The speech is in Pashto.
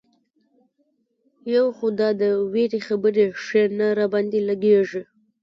یو خو دا د وېرې خبرې ښې نه را باندې لګېږي.